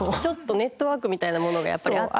ネットワークみたいなものがやっぱりあって。